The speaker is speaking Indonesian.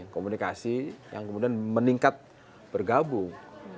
komunikasi yang kemudian meningkat bergabung